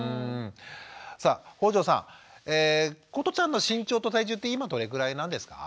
さあ北條さんことちゃんの身長と体重って今どれぐらいなんですか？